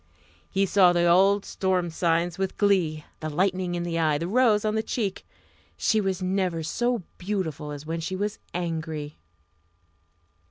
He saw the old storm signs with glee the lightning in the eye, the rose on the cheek. She was never so beautiful as when she was angry.